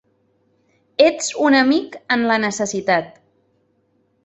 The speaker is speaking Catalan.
Ets un amic en la necessitat.